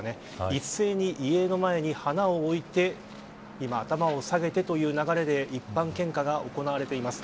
一斉に遺影の前に花を置いて今頭を下げてという流れで一般献花が行われています。